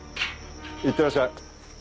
いってらっしゃい。